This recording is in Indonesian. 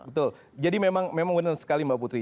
betul jadi memang benar sekali mbak putri